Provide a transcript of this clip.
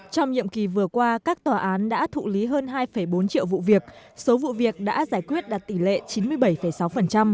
trong nhiệm kỳ vừa qua các tòa án đã thụ lý hơn hai bốn triệu vụ việc số vụ việc đã giải quyết đạt tỷ lệ chín mươi bảy sáu